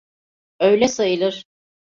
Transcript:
Öyle sayılır.